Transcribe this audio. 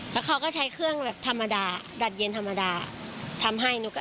แล้วเขาก็ใช้เครื่องแบบธรรมดาดัดเย็นธรรมดาทำให้หนูก็